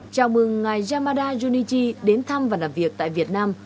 chào mừng ngài yamada junichi đến thăm và làm việc tại việt nam